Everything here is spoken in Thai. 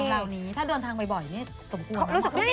ราวนี้ถ้าเดินทางบ่อยนี่ต้องกวน